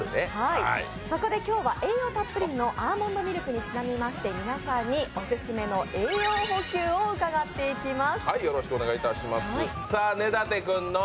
そこで今日は栄養たっぷりのアーモンドミルクにちなみまして皆さんにオススメの私の栄養補給を伺っていきます。